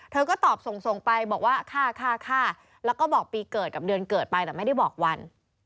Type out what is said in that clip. ก็ตอบส่งไปบอกว่าค่ะแล้วก็บอกปีเกิดกับเดือนเกิดไปแต่ไม่ได้บอกวัน